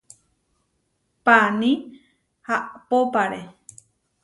Paaní ahpópare.